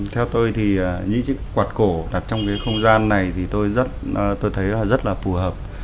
theo tôi thì những chiếc quạt cổ đặt trong cái không gian này thì tôi thấy là rất là phù hợp